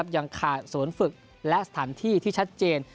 ยังขาดศูนย์ฝึกและสถานที่ที่ชัดเจน